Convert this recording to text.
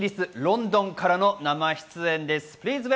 イギリス・ロンドンからの生出演です。